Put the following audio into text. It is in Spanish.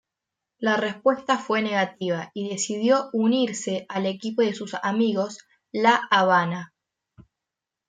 La respuesta fue negativa y decidió unirse al equipo de sus amigos La Habana.